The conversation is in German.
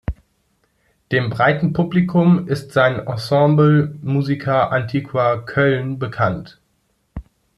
Dem breiten Publikum ist sein Ensemble Musica Antiqua Köln bekannt.